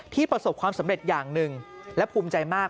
ประสบความสำเร็จอย่างหนึ่งและภูมิใจมาก